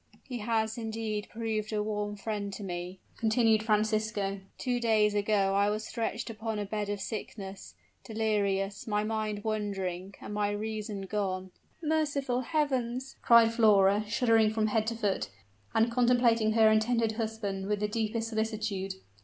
"He has, indeed, proved a warm friend to me," continued Francisco. "Two days ago I was stretched upon a bed of sickness delirious, my mind wandering, and my reason gone " "Merciful heavens!" cried Flora, shuddering from head to foot, and contemplating her intended husband with the deepest solicitude.